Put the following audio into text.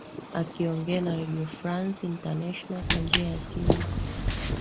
akiongea na redio france international kwa njia ya simu